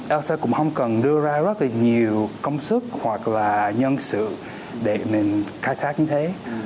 nasa cũng không cần đưa ra rất là nhiều công sức hoặc là nhân sự để mình khai thác như thế